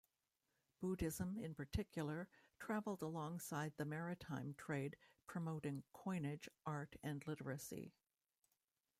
Buddhism, in particular, traveled alongside the maritime trade, promoting coinage, art and literacy.